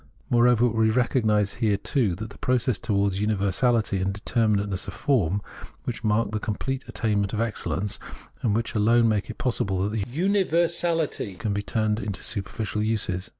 Moreover, we recognise here, too, that process towards universahty and determinate ness of form which marks the complete attainment of excellence, and which alone makes it possible that this universahty can be turned to superficial uses.